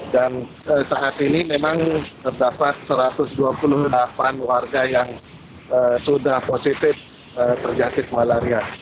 dan saat ini memang terdapat satu ratus dua puluh delapan warga yang sudah positif terjasik malaria